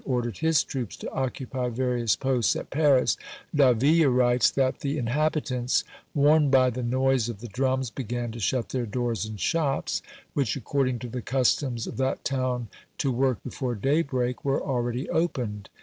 ordered his troops to occupy various posts at Paris, Davila writes that the inhabitants, warned by the noise of the drums, began to shut their doors and shops, which, according to the customs of that town to work before daybreak, were already opened.